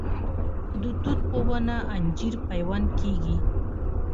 د توت په ونه انجیر پیوند کیږي؟